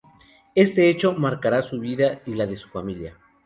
Este hecho marcará su vida y la de su familia.